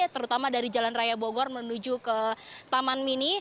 terutama dari jalan raya bogor menuju ke taman mini